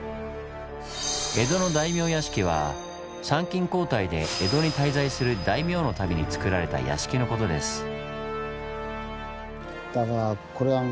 江戸の大名屋敷は参勤交代で江戸に滞在する大名のためにつくられた屋敷のことです。